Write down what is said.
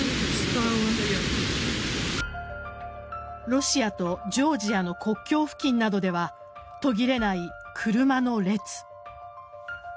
ロシアとジョージアの国境付近などでは途切れない車の列。